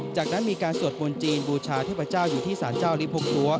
จากนั้นมีการสวดมนต์จีนบูชาเทพเจ้าอยู่ที่สารเจ้าลิพงภัว